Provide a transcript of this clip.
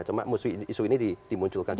cuma isu ini dimunculkan